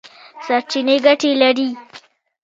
سرچینې ګټې لري.